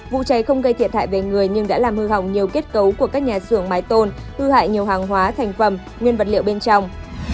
vụ cháy không gây thiệt hại về người nhưng đã làm hư hỏng nhiều kết cấu của các nhà xưởng mái tôn hư hại nhiều hàng hóa thành phẩm nguyên vật liệu bên trong